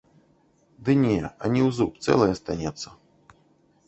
Ды не, ані ў зуб, цэлай астанецца.